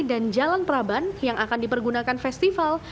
jalan praban yang akan dipergunakan festival